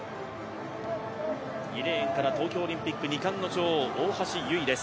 ２レーンから東京オリンピック２冠の女王大橋悠依です。